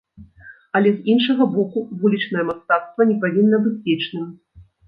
Але з іншага боку, вулічнае мастацтва не павінна быць вечным.